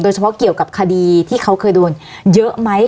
เฉพาะเกี่ยวกับคดีที่เขาเคยโดนเยอะไหม